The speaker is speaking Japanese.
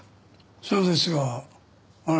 そうですがあなたは？